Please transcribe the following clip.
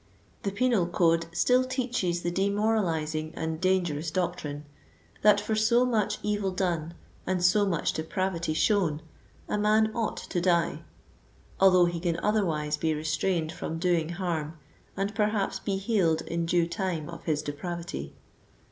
The penal code still teaches the de moralizing and dangerous doctrine, that, for so much evil done and so much depravity shown, a man ought to die; although he can otherwise be restrained from doing harm, and perhaps be healed in due time of his depravity.